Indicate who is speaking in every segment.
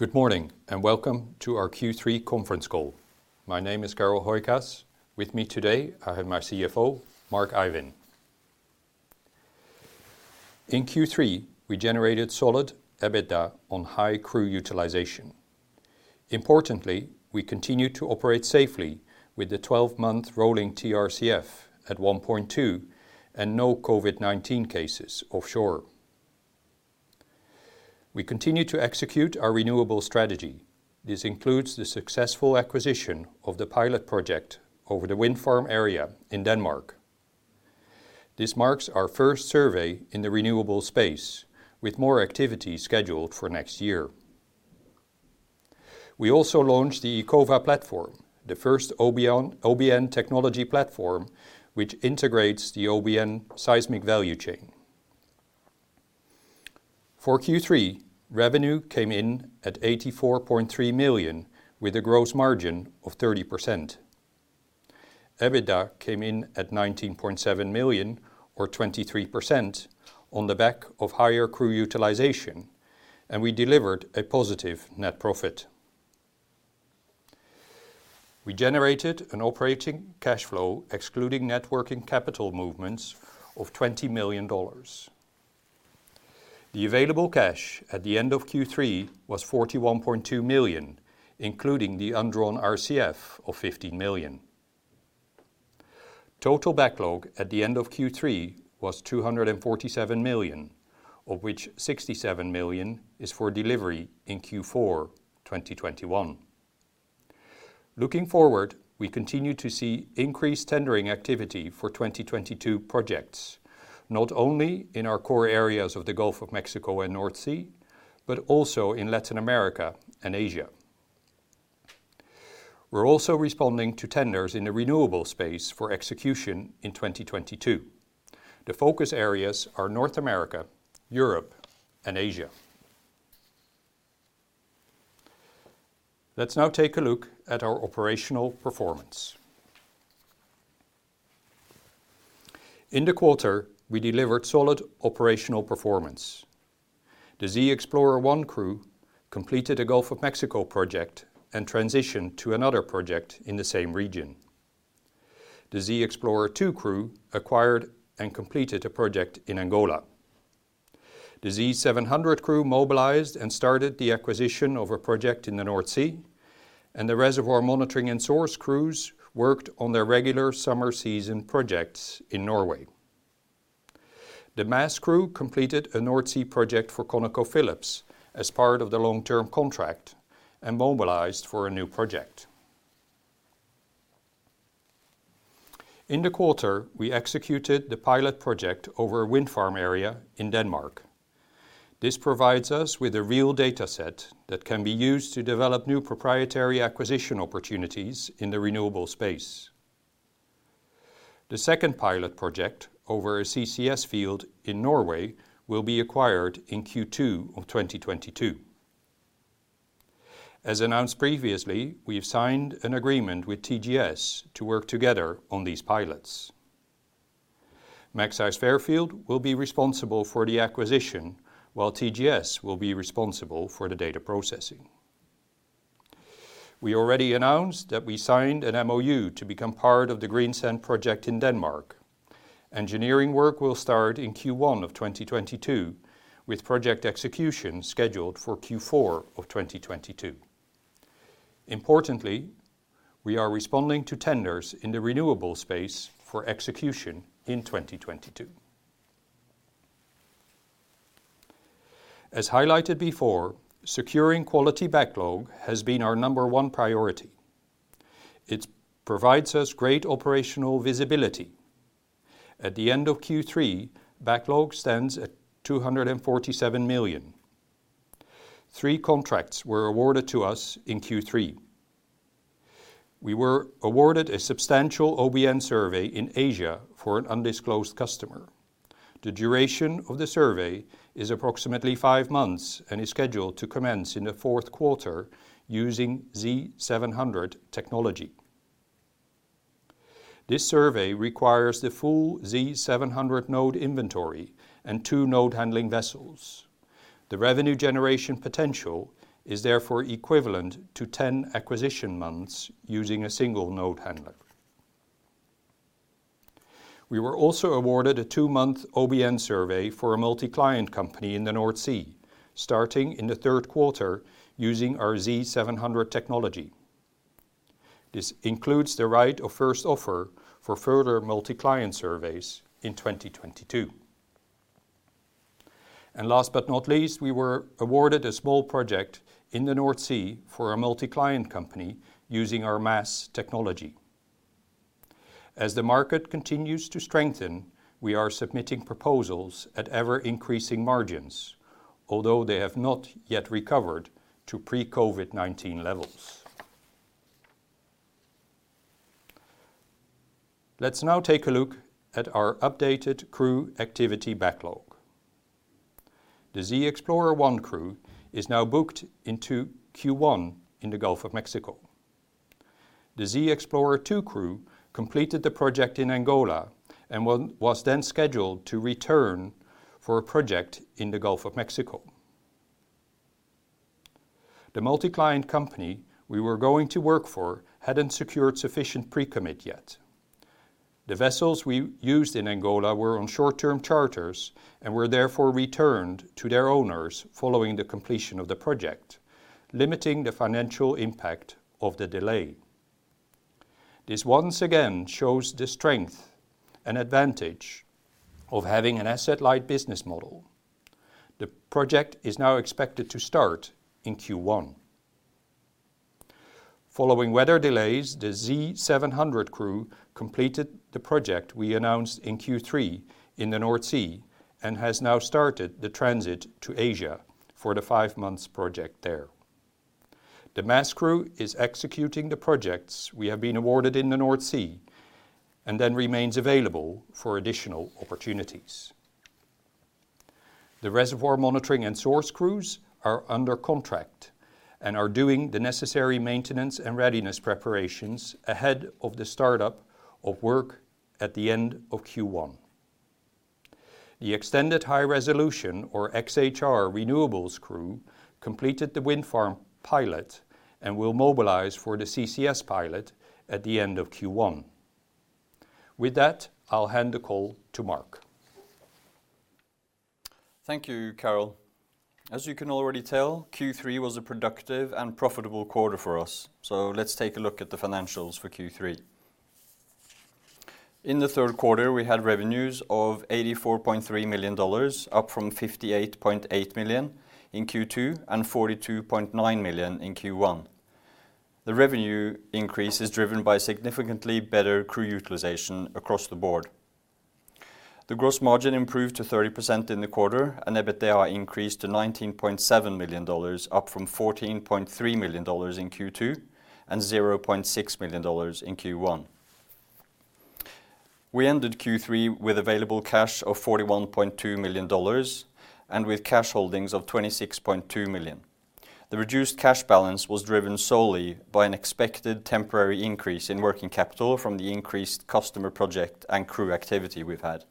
Speaker 1: Good morning, and welcome to our Q3 conference call. My name is Carel Hooijkaas. With me today, I have my CFO, Mark Ivin. In Q3, we generated solid EBITDA on high crew utilization. Importantly, we continued to operate safely with the 12-month rolling TRCF at 1.2 and no COVID-19 cases offshore. We continue to execute our renewable strategy. This includes the successful acquisition of the pilot project over the wind farm area in Denmark. This marks our first survey in the renewable space, with more activity scheduled for next year. We also launched the Echova platform, the first OBN technology platform, which integrates the OBN seismic value chain. For Q3, revenue came in at $84.3 million, with a gross margin of 30%. EBITDA came in at $19.7 million or 23% on the back of higher crew utilization, and we delivered a positive net profit. We generated an operating cash flow, excluding net working capital movements of $20 million. The available cash at the end of Q3 was $41.2 million, including the undrawn RCF of $15 million. Total backlog at the end of Q3 was $247 million, of which $67 million is for delivery in Q4 2021. Looking forward, we continue to see increased tendering activity for 2022 projects, not only in our core areas of the Gulf of Mexico and North Sea, but also in Latin America and Asia. We're also responding to tenders in the renewable space for execution in 2022. The focus areas are North America, Europe, and Asia. Let's now take a look at our operational performance. In the quarter, we delivered solid operational performance. The ZXPLR1 crew completed a Gulf of Mexico project and transitioned to another project in the same region. The ZXPLR2 crew acquired and completed a project in Angola. The Z700 crew mobilized and started the acquisition of a project in the North Sea, and the reservoir monitoring and source crews worked on their regular summer season projects in Norway. The MASS crew completed a North Sea project for ConocoPhillips as part of the long-term contract and mobilized for a new project. In the quarter, we executed the pilot project over a wind farm area in Denmark. This provides us with a real data set that can be used to develop new proprietary acquisition opportunities in the renewable space. The second pilot project over a CCS field in Norway will be acquired in Q2 of 2022. As announced previously, we have signed an agreement with TGS to work together on these pilots. Magseis Fairfield will be responsible for the acquisition, while TGS will be responsible for the data processing. We already announced that we signed an MoU to become part of the Greensand project in Denmark. Engineering work will start in Q1 of 2022, with project execution scheduled for Q4 of 2022. Importantly, we are responding to tenders in the renewable space for execution in 2022. As highlighted before, securing quality backlog has been our number one priority. It provides us great operational visibility. At the end of Q3, backlog stands at $247 million. Three contracts were awarded to us in Q3. We were awarded a substantial OBN survey in Asia for an undisclosed customer. The duration of the survey is approximately five months and is scheduled to commence in the fourth quarter using Z700 technology. This survey requires the full Z700 node inventory and two node handling vessels. The revenue generation potential is therefore equivalent to 10 acquisition months using a single node handler. We were also awarded a two-month OBN survey for a multi-client company in the North Sea, starting in the third quarter using our Z700 technology. This includes the right of first offer for further multi-client surveys in 2022. Last but not least, we were awarded a small project in the North Sea for a multi-client company using our MASS technology. As the market continues to strengthen, we are submitting proposals at ever-increasing margins, although they have not yet recovered to pre-COVID-19 levels. Let's now take a look at our updated crew activity backlog. The ZXPLR1 crew is now booked into Q1 in the Gulf of Mexico. The ZXPLR2 crew completed the project in Angola, and was then scheduled to return for a project in the Gulf of Mexico. The multi-client company we were going to work for hadn't secured sufficient pre-commit yet. The vessels we used in Angola were on short-term charters, and were therefore returned to their owners following the completion of the project, limiting the financial impact of the delay. This once again shows the strength and advantage of having an asset-light business model. The project is now expected to start in Q1. Following weather delays, the Z700 crew completed the project we announced in Q3 in the North Sea, and has now started the transit to Asia for the five-month project there. The MASS crew is executing the projects we have been awarded in the North Sea, and then remains available for additional opportunities. The reservoir monitoring and source crews are under contract, and are doing the necessary maintenance and readiness preparations ahead of the startup of work at the end of Q1. The extended high resolution, or XHR renewables crew, completed the wind farm pilot and will mobilize for the CCS pilot at the end of Q1. With that, I'll hand the call to Mark.
Speaker 2: Thank you, Carel. As you can already tell, Q3 was a productive and profitable quarter for us. Let's take a look at the financials for Q3. In the third quarter, we had revenues of $84.3 million, up from $58.8 million in Q2, and $42.9 million in Q1. The revenue increase is driven by significantly better crew utilization across the board. The gross margin improved to 30% in the quarter, and EBITDA increased to $19.7 million, up from $14.3 million in Q2, and $0.6 million in Q1. We ended Q3 with available cash of $41.2 million, and with cash holdings of $26.2 million. The reduced cash balance was driven solely by an expected temporary increase in working capital from the increased customer project and crew activity we've had.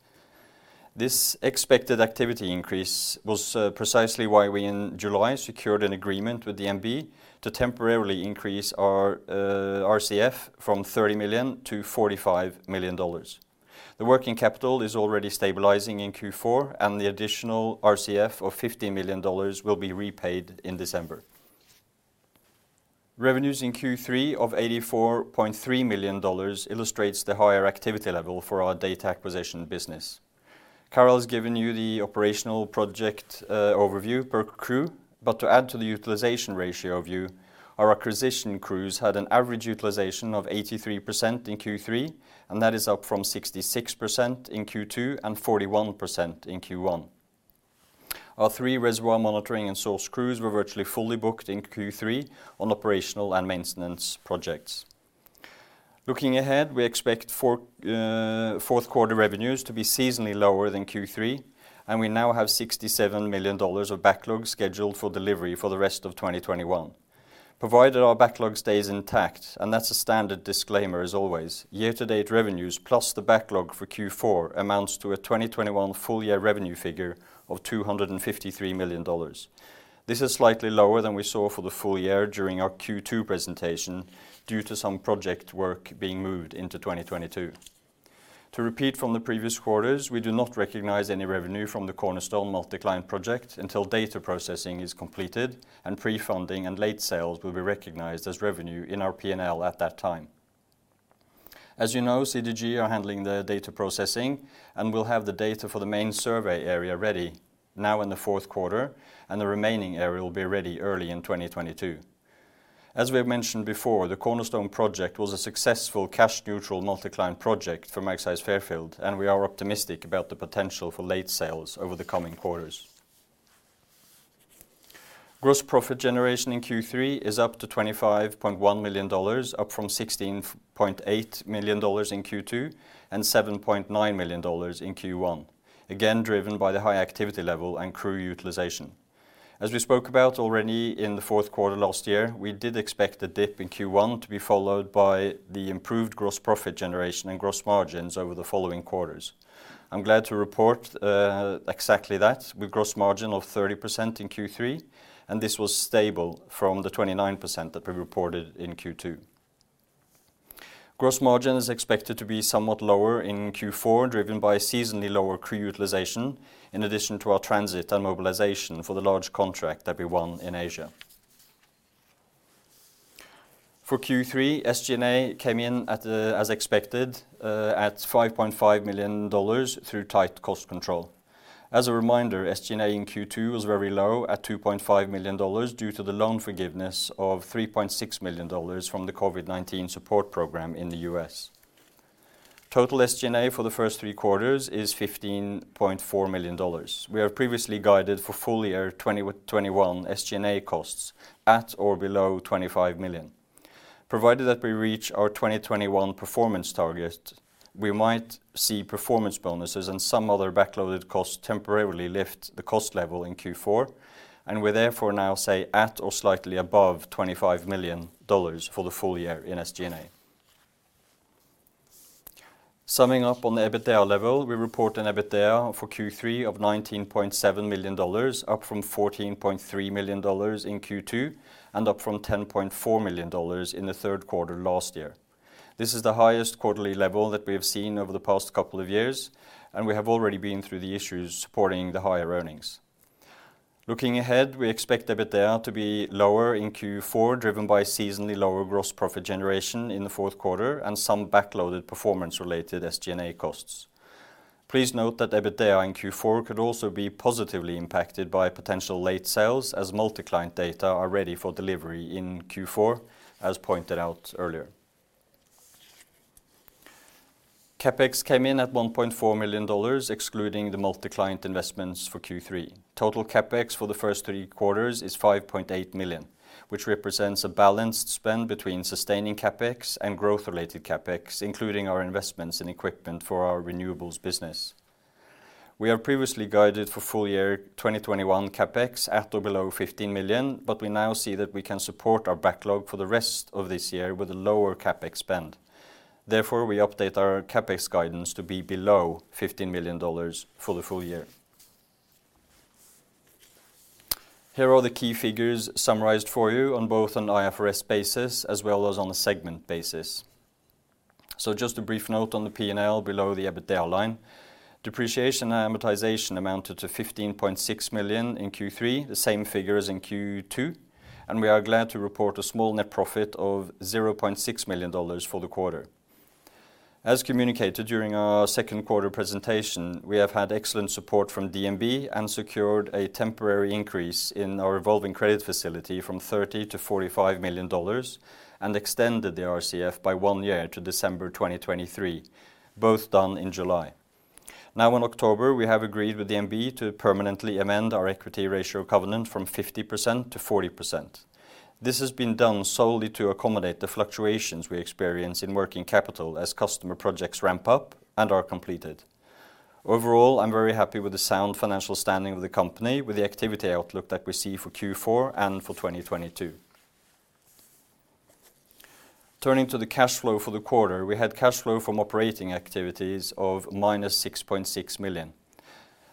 Speaker 2: This expected activity increase was precisely why we in July secured an agreement with DNB to temporarily increase our RCF from $30 million to $45 million. The working capital is already stabilizing in Q4, and the additional RCF of $50 million will be repaid in December. Revenues in Q3 of $84.3 million illustrates the higher activity level for our Data Acquisition business. Carel's given you the operational project overview per crew, but to add to the utilization ratio view, our acquisition crews had an average utilization of 83% in Q3, and that is up from 66% in Q2, and 41% in Q1. Our three reservoir monitoring and source crews were virtually fully booked in Q3 on operational and maintenance projects. Looking ahead, we expect fourth quarter revenues to be seasonally lower than Q3, and we now have $67 million of backlog scheduled for delivery for the rest of 2021. Provided our backlog stays intact, and that's a standard disclaimer as always, year-to-date revenues plus the backlog for Q4 amounts to a 2021 full year revenue figure of $253 million. This is slightly lower than we saw for the full year during our Q2 presentation due to some project work being moved into 2022. To repeat from the previous quarters, we do not recognize any revenue from the Cornerstone multi-client project until data processing is completed and pre-funding and late sales will be recognized as revenue in our P&L at that time. As you know, CGG are handling the data processing and will have the data for the main survey area ready now in the fourth quarter, and the remaining area will be ready early in 2022. As we have mentioned before, the Cornerstone project was a successful cash neutral multi-client project for Magseis Fairfield, and we are optimistic about the potential for late sales over the coming quarters. Gross profit generation in Q3 is up to $25.1 million, up from $16.8 million in Q2, and $7.9 million in Q1, again, driven by the high activity level and crew utilization. As we spoke about already in the fourth quarter last year, we did expect a dip in Q1 to be followed by the improved gross profit generation and gross margins over the following quarters. I'm glad to report exactly that with gross margin of 30% in Q3, and this was stable from the 29% that we reported in Q2. Gross margin is expected to be somewhat lower in Q4, driven by seasonally lower crew utilization in addition to our transit and mobilization for the large contract that we won in Asia. For Q3, SG&A came in at, as expected, at $5.5 million through tight cost control. As a reminder, SG&A in Q2 was very low at $2.5 million due to the loan forgiveness of $3.6 million from the COVID-19 support program in the U.S. Total SG&A for the first three quarters is $15.4 million. We have previously guided for full year 2021 SG&A costs at or below $25 million. Provided that we reach our 2021 performance target. We might see performance bonuses and some other backloaded costs temporarily lift the cost level in Q4, and we therefore now say at or slightly above $25 million for the full year in SG&A. Summing up on the EBITDA level, we report an EBITDA for Q3 of $19.7 million, up from $14.3 million in Q2, and up from $10.4 million in the third quarter last year. This is the highest quarterly level that we have seen over the past couple of years, and we have already been through the issues supporting the higher earnings. Looking ahead, we expect EBITDA to be lower in Q4, driven by seasonally lower gross profit generation in the fourth quarter and some backloaded performance-related SG&A costs. Please note that EBITDA in Q4 could also be positively impacted by potential late sales as multi-client data are ready for delivery in Q4, as pointed out earlier. CapEx came in at $1.4 million, excluding the multi-client investments for Q3. Total CapEx for the first three quarters is $5.8 million, which represents a balanced spend between sustaining CapEx and growth-related CapEx, including our investments in equipment for our renewables business. We have previously guided for full year 2021 CapEx at or below $15 million, but we now see that we can support our backlog for the rest of this year with a lower CapEx spend. Therefore, we update our CapEx guidance to be below $15 million for the full year. Here are the key figures summarized for you on both an IFRS basis as well as on a segment basis. Just a brief note on the P&L below the EBITDA line. Depreciation and amortization amounted to $15.6 million in Q3, the same figure as in Q2, and we are glad to report a small net profit of $0.6 million for the quarter. As communicated during our second quarter presentation, we have had excellent support from DNB and secured a temporary increase in our revolving credit facility from $30 million to $45 million and extended the RCF by one year to December 2023, both done in July. Now in October, we have agreed with DNB to permanently amend our equity ratio covenant from 50% to 40%. This has been done solely to accommodate the fluctuations we experience in working capital as customer projects ramp-up and are completed. Overall, I'm very happy with the sound financial standing of the company with the activity outlook that we see for Q4 and for 2022. Turning to the cash flow for the quarter, we had cash flow from operating activities of -$6.6 million.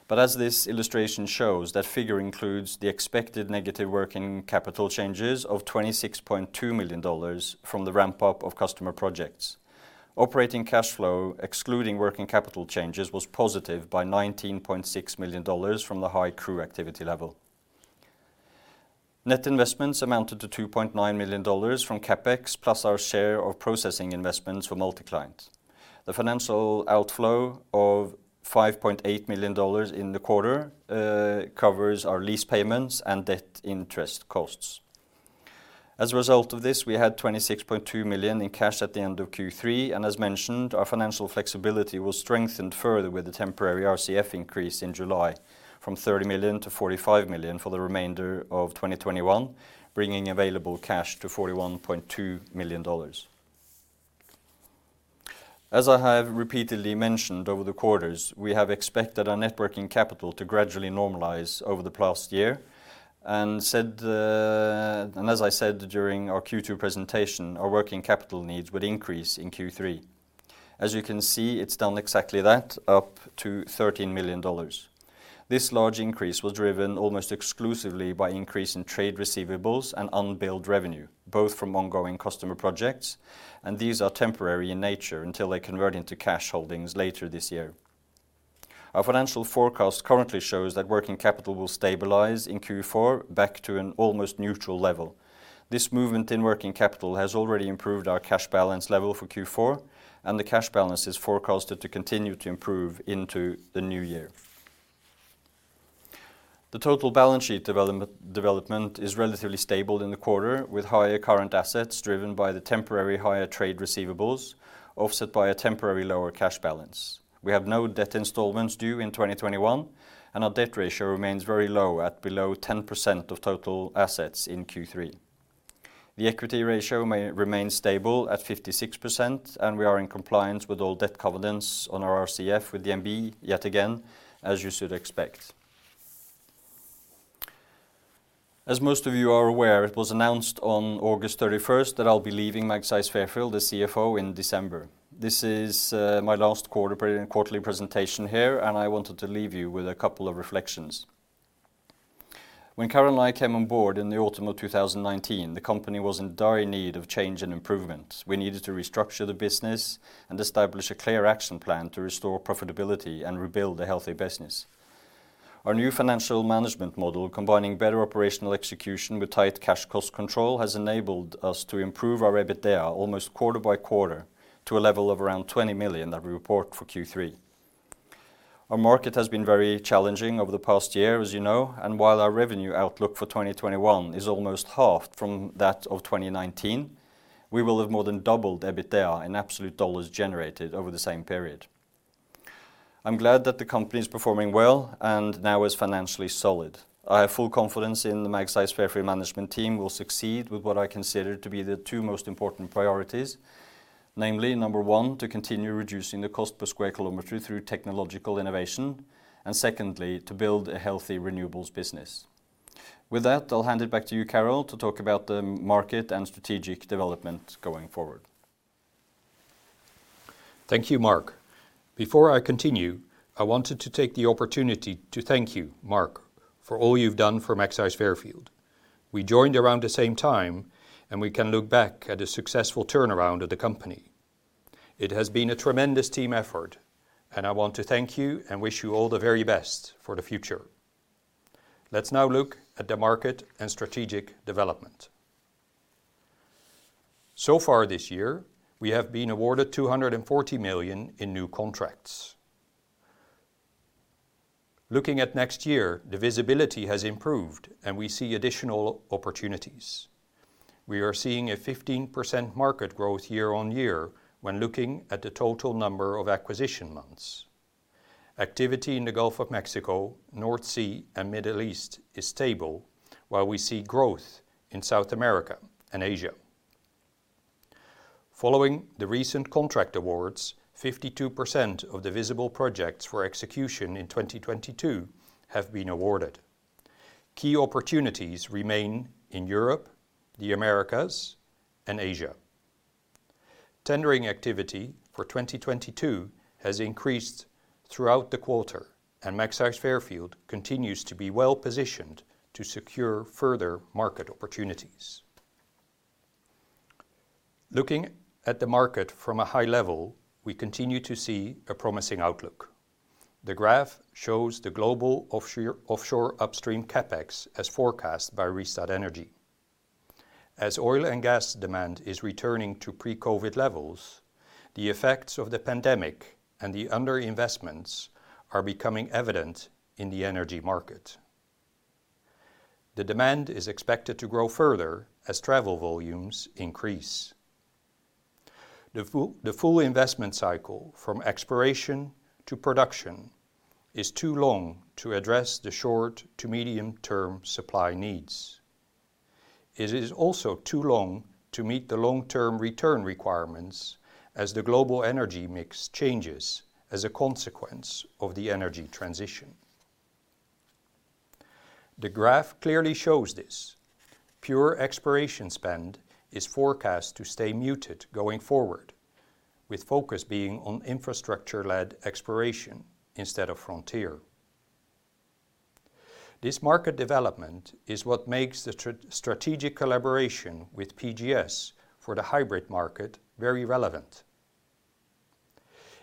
Speaker 2: As this illustration shows, that figure includes the expected negative working capital changes of $26.2 million from the ramp-up of customer projects. Operating cash flow, excluding working capital changes, was positive by $19.6 million from the high crew activity level. Net investments amounted to $2.9 million from CapEx plus our share of processing investments for multi-client. The financial outflow of $5.8 million in the quarter covers our lease payments and debt interest costs. As a result of this, we had $26.2 million in cash at the end of Q3. As mentioned, our financial flexibility was strengthened further with the temporary RCF increase in July from $30 million to $45 million for the remainder of 2021, bringing available cash to $41.2 million. As I have repeatedly mentioned over the quarters, we have expected our net working capital to gradually normalize over the past year. As I said during our Q2 presentation, our working capital needs would increase in Q3. As you can see, it's done exactly that, up to $13 million. This large increase was driven almost exclusively by increase in trade receivables and unbilled revenue, both from ongoing customer projects, and these are temporary in nature until they convert into cash holdings later this year. Our financial forecast currently shows that working capital will stabilize in Q4 back to an almost neutral level. This movement in working capital has already improved our cash balance level for Q4, and the cash balance is forecasted to continue to improve into the new year. The total balance sheet development is relatively stable in the quarter, with higher current assets driven by the temporary higher trade receivables, offset by a temporary lower cash balance. We have no debt installments due in 2021, and our debt ratio remains very low at below 10% of total assets in Q3. The equity ratio remains stable at 56%, and we are in compliance with all debt covenants on our RCF with DNB yet again, as you should expect. As most of you are aware, it was announced on August 31st that I'll be leaving Magseis Fairfield as CFO in December. This is my last quarterly presentation here, and I wanted to leave you with a couple of reflections. When Carel and I came on board in the autumn of 2019, the company was in dire need of change and improvement. We needed to restructure the business and establish a clear action plan to restore profitability and rebuild a healthy business. Our new financial management model, combining better operational execution with tight cash cost control, has enabled us to improve our EBITDA almost quarter-by-quarter to a level of around $20 million that we report for Q3. Our market has been very challenging over the past year, as you know, and while our revenue outlook for 2021 is almost half from that of 2019, we will have more than doubled EBITDA in absolute dollars generated over the same period. I'm glad that the company is performing well and now is financially solid. I have full confidence in the Magseis Fairfield management team will succeed with what I consider to be the two most important priorities, namely, number one, to continue reducing the cost per square kilometer through technological innovation, and secondly, to build a healthy renewables business. With that, I'll hand it back to you, Carel, to talk about the market and strategic development going forward.
Speaker 1: Thank you, Mark. Before I continue, I wanted to take the opportunity to thank you, Mark, for all you've done for Magseis Fairfield. We joined around the same time, and we can look back at a successful turnaround of the company. It has been a tremendous team effort, and I want to thank you and wish you all the very best for the future. Let's now look at the market and strategic development. So far this year, we have been awarded $240 million in new contracts. Looking at next year, the visibility has improved, and we see additional opportunities. We are seeing a 15% market growth year-on-year when looking at the total number of acquisition months. Activity in the Gulf of Mexico, North Sea, and Middle East is stable, while we see growth in South America and Asia. Following the recent contract awards, 52% of the visible projects for execution in 2022 have been awarded. Key opportunities remain in Europe, the Americas, and Asia. Tendering activity for 2022 has increased throughout the quarter, and Magseis Fairfield continues to be well-positioned to secure further market opportunities. Looking at the market from a high level, we continue to see a promising outlook. The graph shows the global offshore upstream CapEx as forecast by Rystad Energy. As oil and gas demand is returning to pre-COVID levels, the effects of the pandemic and the underinvestments are becoming evident in the energy market. The demand is expected to grow further as travel volumes increase. The full investment cycle from exploration to production is too long to address the short to medium-term supply needs. It is also too long to meet the long-term return requirements as the global energy mix changes as a consequence of the energy transition. The graph clearly shows this. Pure exploration spend is forecast to stay muted going forward, with focus being on infrastructure-led exploration instead of frontier. This market development is what makes the strategic collaboration with PGS for the hybrid market very relevant.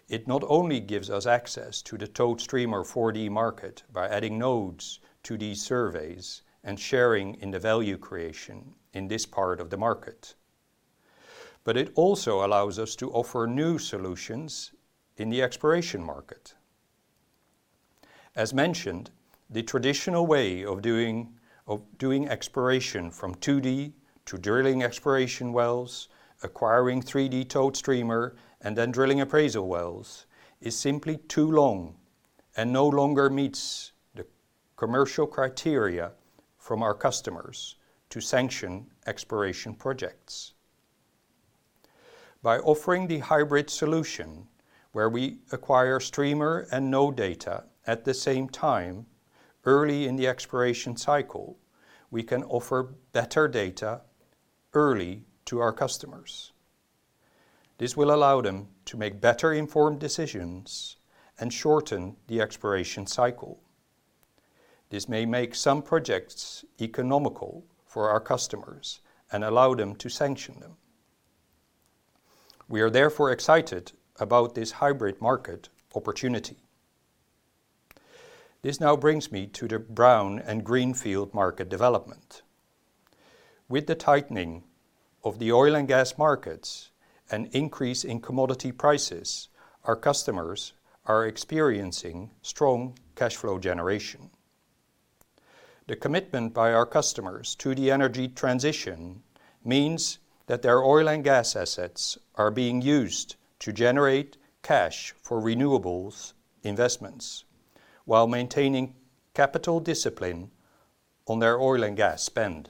Speaker 1: It not only gives us access to the towed streamer 4D market by adding nodes to these surveys and sharing in the value creation in this part of the market, but it also allows us to offer new solutions in the exploration market. As mentioned, the traditional way of doing exploration from 2D to drilling exploration wells, acquiring 3D towed streamer, and then drilling appraisal wells is simply too long and no longer meets the commercial criteria from our customers to sanction exploration projects. By offering the hybrid solution where we acquire streamer and node data at the same time early in the exploration cycle, we can offer better data early to our customers. This will allow them to make better-informed decisions and shorten the exploration cycle. This may make some projects economical for our customers and allow them to sanction them. We are therefore excited about this hybrid market opportunity. This now brings me to the brownfield and greenfield market development. With the tightening of the oil and gas markets and increase in commodity prices, our customers are experiencing strong cash flow generation. The commitment by our customers to the energy transition means that their oil and gas assets are being used to generate cash for renewables investments while maintaining capital discipline on their oil and gas spend.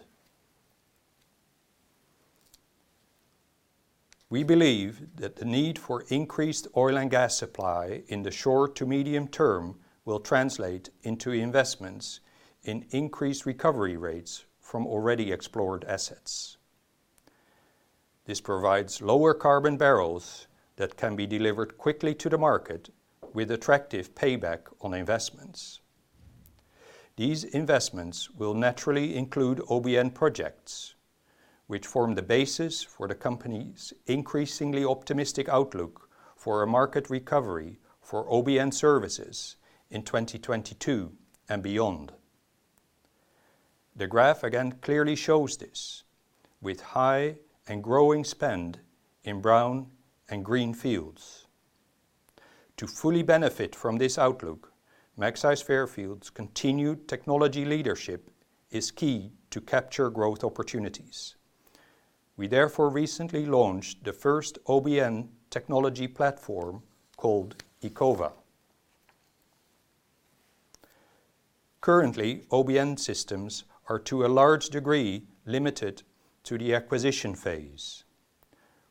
Speaker 1: We believe that the need for increased oil and gas supply in the short to medium term will translate into investments in increased recovery rates from already explored assets. This provides lower carbon barrels that can be delivered quickly to the market with attractive payback on investments. These investments will naturally include OBN projects, which form the basis for the company's increasingly optimistic outlook for a market recovery for OBN services in 2022 and beyond. The graph again clearly shows this with high and growing spend in brown and green fields. To fully benefit from this outlook, Magseis Fairfield's continued technology leadership is key to capture growth opportunities. We therefore recently launched the first OBN technology platform called Echova. Currently, OBN systems are, to a large degree, limited to the acquisition phase.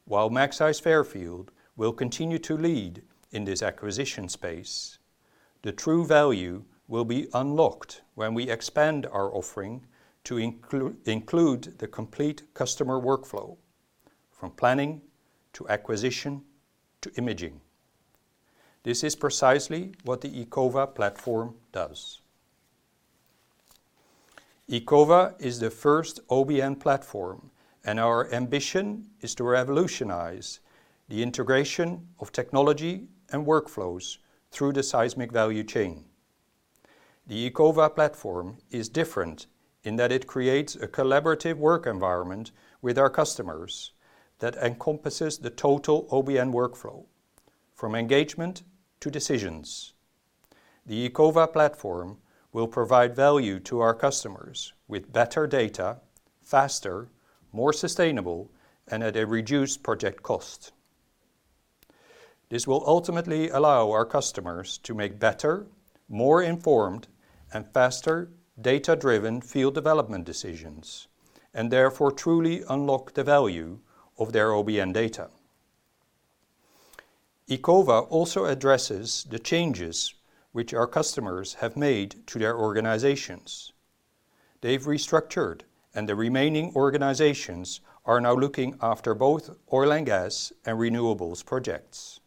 Speaker 1: While Magseis Fairfield will continue to lead in this acquisition space, the true value will be unlocked when we expand our offering to include the complete customer workflow from planning to acquisition to imaging. This is precisely what the Echova platform does. Echova is the first OBN platform, and our ambition is to revolutionize the integration of technology and workflows through the seismic value chain. The Echova platform is different in that it creates a collaborative work environment with our customers that encompasses the total OBN workflow from engagement to decisions. The Echova platform will provide value to our customers with better data, faster, more sustainable, and at a reduced project cost. This will ultimately allow our customers to make better, more informed, and faster data-driven field development decisions, and therefore truly unlock the value of their OBN data. Echova also addresses the changes which our customers have made to their organizations. They've restructured, and the remaining organizations are now looking after both oil and gas and renewables projects.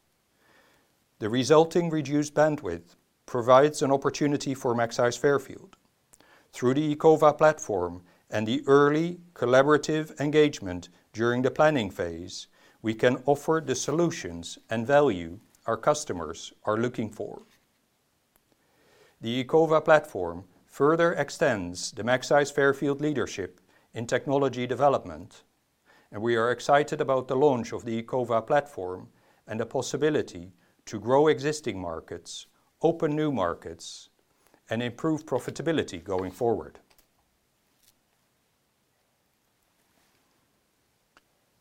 Speaker 1: The resulting reduced bandwidth provides an opportunity for Magseis Fairfield. Through the Echova platform and the early collaborative engagement during the planning phase, we can offer the solutions and value our customers are looking for. The Echova platform further extends the Magseis Fairfield leadership in technology development, and we are excited about the launch of the Echova platform and the possibility to grow existing markets, open new markets, and improve profitability going forward.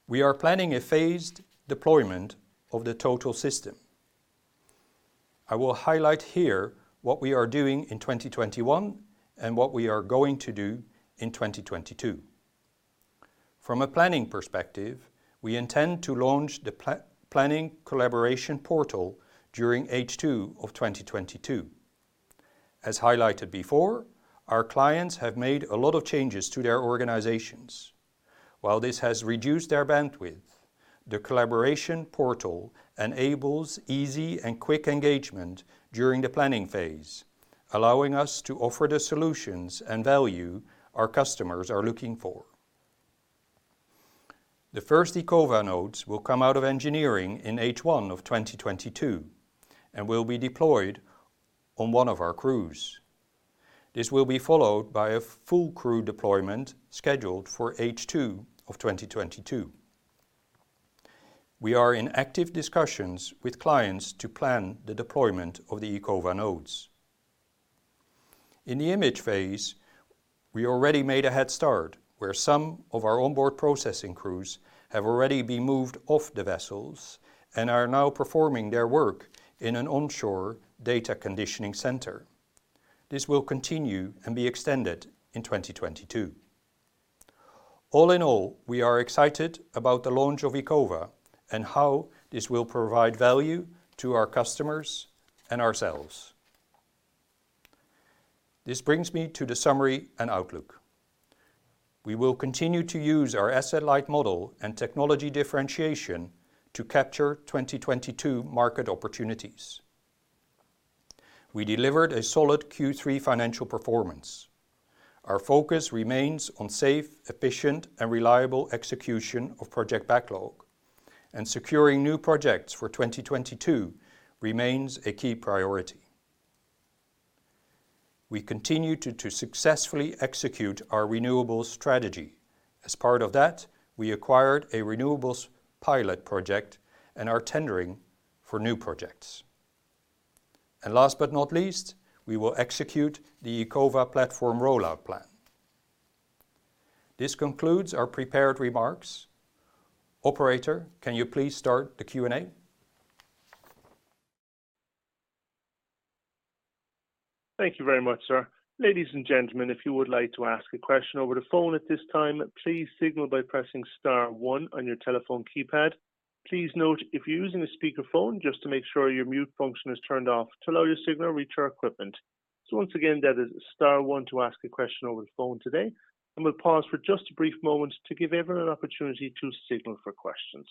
Speaker 1: We are planning a phased deployment of the total system. I will highlight here what we are doing in 2021 and what we are going to do in 2022. From a planning perspective, we intend to launch the planning collaboration portal during H2 of 2022. As highlighted before, our clients have made a lot of changes to their organizations. While this has reduced their bandwidth, the collaboration portal enables easy and quick engagement during the planning phase, allowing us to offer the solutions and value our customers are looking for. The first Echova nodes will come out of engineering in H1 of 2022 and will be deployed on one of our crews. This will be followed by a full crew deployment scheduled for H2 of 2022. We are in active discussions with clients to plan the deployment of the Echova nodes. In the imaging phase, we already made a head start where some of our onboard processing crews have already been moved off the vessels and are now performing their work in an onshore data conditioning center. This will continue and be extended in 2022. All in all, we are excited about the launch of Echova and how this will provide value to our customers and ourselves. This brings me to the summary and outlook. We will continue to use our asset-light model and technology differentiation to capture 2022 market opportunities. We delivered a solid Q3 financial performance. Our focus remains on safe, efficient, and reliable execution of project backlog, and securing new projects for 2022 remains a key priority. We continue to successfully execute our renewables strategy. As part of that, we acquired a renewables pilot project and are tendering for new projects. Last but not least, we will execute the Echova platform rollout plan. This concludes our prepared remarks. Operator, can you please start the Q&A?
Speaker 3: Thank you very much, sir. Ladies and gentlemen, if you would like to ask a question over the phone at this time, please signal by pressing star one on your telephone keypad. Please note, if you're using a speakerphone, just to make sure your mute function is turned off to allow your signal to reach our equipment. Once again, that is star one to ask a question over the phone today, and we'll pause for just a brief moment to give everyone an opportunity to signal for questions.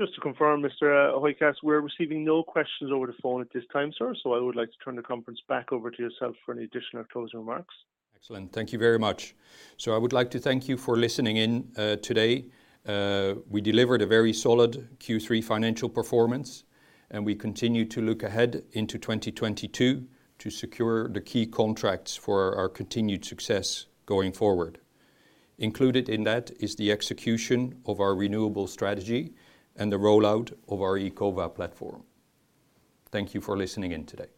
Speaker 3: Just to confirm, Mr. Hooijkaas, we're receiving no questions over the phone at this time, sir, so I would like to turn the conference back over to yourself for any additional closing remarks.
Speaker 1: Excellent. Thank you very much. I would like to thank you for listening in, today. We delivered a very solid Q3 financial performance, and we continue to look ahead into 2022 to secure the key contracts for our continued success going forward. Included in that is the execution of our renewable strategy and the rollout of our Echova platform. Thank you for listening in today.